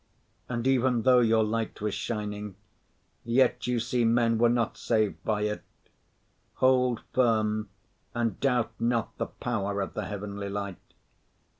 And even though your light was shining, yet you see men were not saved by it, hold firm and doubt not the power of the heavenly light.